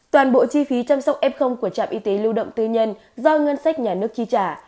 toàn bộ chi phí chăm sóc f của trạm y tế lưu động tư nhân do ngân sách nhà nước chi trả